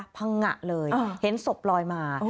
พังงะเลยเห็นศพลอยมา